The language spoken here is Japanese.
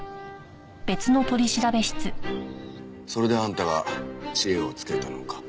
それであんたが知恵をつけたのか。